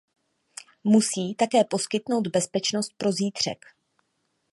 Musí také poskytnout bezpečnost pro zítřek.